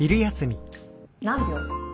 何秒？